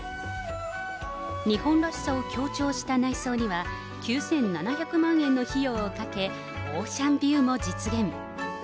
日本らしさを強調した内装には、９７００万円の費用をかけ、オーシャンビューも実現。